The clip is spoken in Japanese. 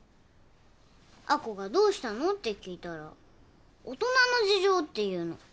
亜子がどうしたの？って聞いたら大人の事情って言うの。